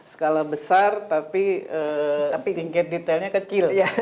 skala besar tapi tingkat detailnya kecil